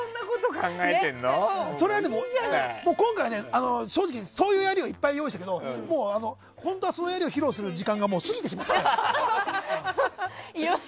それはでも、今回は正直、そういうやりをいっぱい用意したけどもう本当はそのやりを披露する時間が過ぎてしまった。